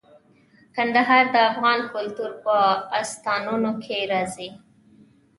کندهار د افغان کلتور په داستانونو کې راځي.